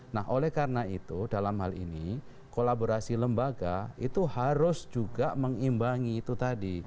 nah oleh karena itu dalam hal ini kolaborasi lembaga itu harus juga mengimbangi itu tadi